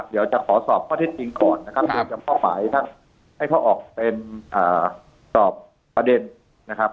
เดี๋ยวจะขอสอบข้อเท็จจริงก่อนนะครับให้เขาออกเป็นสอบประเด็นนะครับ